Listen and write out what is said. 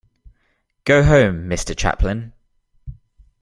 Go home Mister Chaplin.